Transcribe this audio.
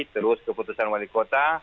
terus keputusan wali kota